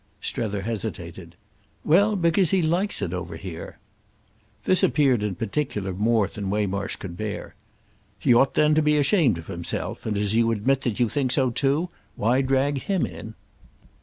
Strether hesitated. "Well, because he likes it over here." This appeared in particular more than Waymarsh could bear. "He ought then to be ashamed of himself, and, as you admit that you think so too, why drag him in?"